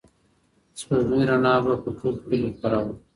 د سپوږمۍ رڼا به په ټول کلي خپره وه.